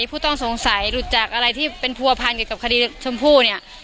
ผู้ต้องสงสัยหรือจากอะไรที่เป็นผัวพันธุ์กับคดีและนึกชมพู่